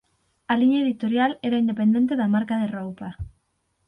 A liña editorial era independente da marca de roupa.